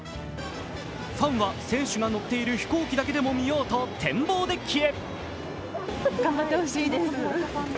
ファンは、選手が乗っている飛行機だけでも見ようと展望デッキへ。